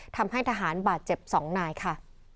ทำให้ทหารบาดเจ็บ๒นายค่ะ